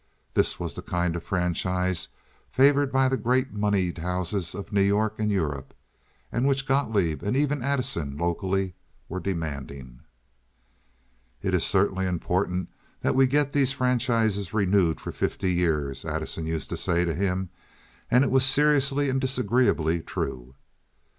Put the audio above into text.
This was the kind of franchise favored by the great moneyed houses of New York and Europe, and which Gotloeb, and even Addison, locally, were demanding. "It is certainly important that we get these franchises renewed for fifty years," Addison used to say to him, and it was seriously and disagreeably true.